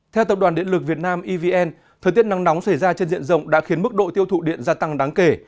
theo tập đoàn điện lực việt nam evn thời tiết nắng nóng xảy ra trên diện rộng đã khiến mức độ tiêu thụ điện gia tăng đáng kể